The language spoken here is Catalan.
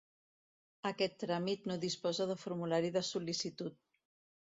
Aquest tràmit no disposa de formulari de sol·licitud.